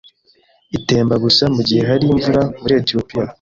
itemba gusa mugihe hari imvura muri Etiyopiya